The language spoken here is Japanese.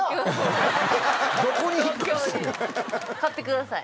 買ってください。